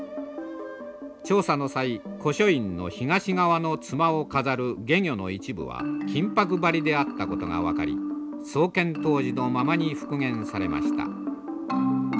調査の際古書院の東側の妻を飾る懸魚の一部は金箔貼りであったことが分かり創建当時のままに復元されました。